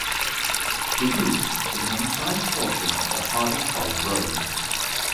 The route is an unsigned portion of the Hardy Toll Road.